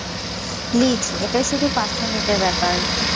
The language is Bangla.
লিজ, এটা শুধু পাঁচ মিনিটের ব্যাপার।